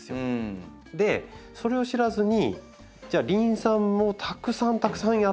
それを知らずにじゃあリン酸をたくさんたくさんやってると。